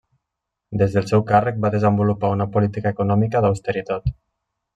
Des del seu càrrec va desenvolupar una política econòmica d'austeritat.